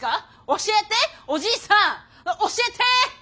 教えておじいさん教えて！